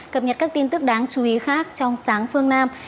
cập nhật các tin tức đáng chú ý khác trong sáng phương nam